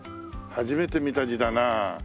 初めて見た字だな。